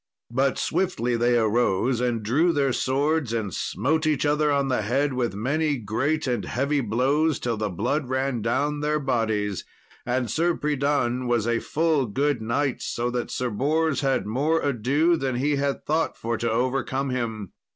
But swiftly they arose, and drew their swords, and smote each other on the head with many great and heavy blows, till the blood ran down their bodies; and Sir Pridan was a full good knight, so that Sir Bors had more ado than he had thought for to overcome him.